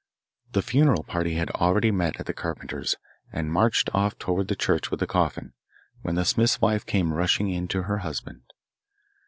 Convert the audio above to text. The funeral party had already met at the carpenter's, and marched oft towards the church with the coffin, when the smith's wife came rushing in to her husband.